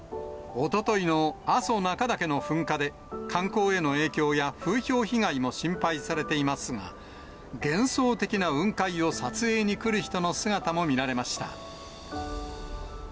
おとといの阿蘇中岳の噴火で、観光への影響や、風評被害も心配されていますが、幻想的な雲海を撮影に来る人の姿も見られました。